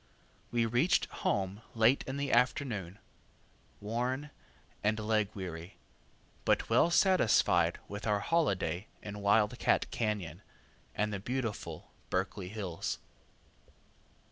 We reached home late in the afternoon, worn, and leg weary, but well satisfied with our holiday in Wild cat Cañon and the beautiful Berkeley hills.